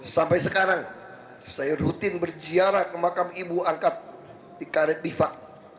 sampai sekarang saya rutin berziarah ke makam ibu angkat di karet bifak